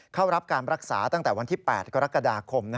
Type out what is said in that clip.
เข้ารับการรักษาตั้งแต่วันที่๘กรกฎาคม